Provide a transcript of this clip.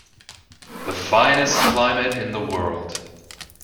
The finest climate in the world!